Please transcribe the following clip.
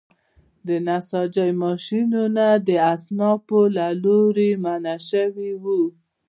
د نساجۍ ماشینونه د اصنافو له لوري منع شوي وو.